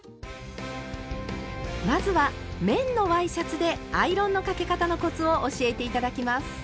まずは綿のワイシャツで「アイロンのかけ方のコツ」を教えて頂きます。